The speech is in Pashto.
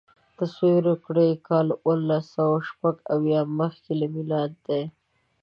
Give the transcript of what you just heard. تصور وکړئ کال اوولسسوهشپږاویا مخکې له میلاده دی.